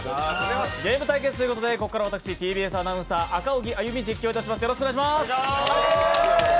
ゲーム対決ということで、ここから私、ＴＢＳアナウンサー赤荻歩、実況いたします。